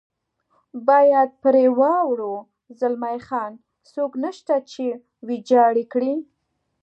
باید پرې واوړو، زلمی خان: څوک نشته چې ویجاړ یې کړي.